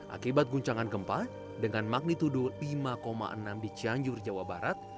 akibat guncangan gempa dengan magnitudo lima enam di cianjur jawa barat